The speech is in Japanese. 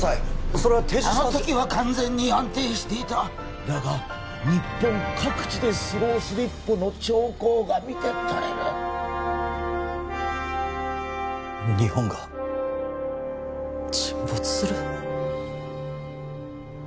それは停止したはずあの時は完全に安定していただが日本各地でスロースリップの兆候が見てとれる日本が沈没する？